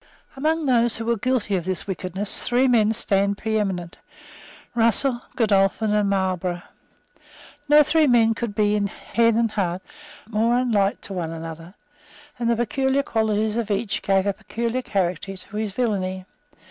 Among those who were guilty of this wickedness three men stand preeminent, Russell, Godolphin and Marlborough. No three men could be, in head and heart, more unlike to one another; and the peculiar qualities of each gave a peculiar character to his villany.